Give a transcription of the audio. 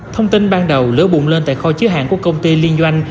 thông tin ban đầu lửa bùng lên tại kho chứa hàng của công ty liên doanh